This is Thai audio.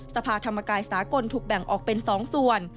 สภาธรรมกายสากลถูกแบ่งออกเป็น๒ส่วน